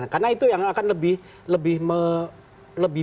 karena itu yang akan lebih